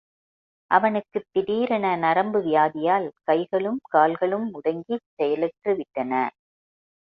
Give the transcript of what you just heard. அவனுக்குத் திடீரென நரம்பு வியாதியால் கைகளும் கால்களும் முடங்கிச் செயலற்று விட்டன.